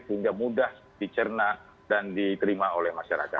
sehingga mudah dicerna dan diterima oleh masyarakat